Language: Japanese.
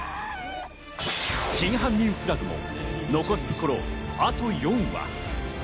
『真犯人フラグ』も残すところ、あと４話。